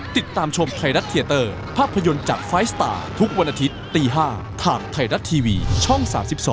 ติดตามชมไทยรัฐเทียเตอร์ภาพยนตร์จากไฟล์สตาร์ทุกวันอาทิตย์ตี๕ทางไทยรัฐทีวีช่อง๓๒